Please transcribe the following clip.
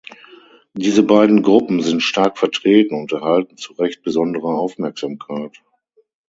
Diese beiden Gruppen sind stark vertreten und erhalten zu recht besondere Aufmerksamkeit.